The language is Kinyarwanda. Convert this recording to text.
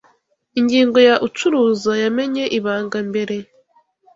Ingingo ya Ucuruza yamenye ibanga mbere